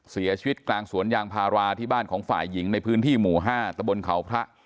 เสียชีวิตกลางสวนยางพาราที่บ้านของฝ่ายหญิงในพื้นที่หมู่๕ตะบนเขาพระ